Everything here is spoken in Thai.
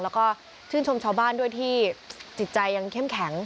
แล้วก็ชื่นชมชาวบ้านด้วยที่จิตใจยังเข้มแข็ง